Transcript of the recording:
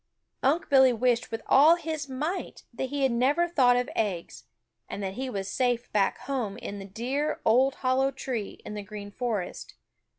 Unc' Billy wished with all his might that he had never thought of eggs, and that he was safe back home in the dear old hollow tree in the Green Forest.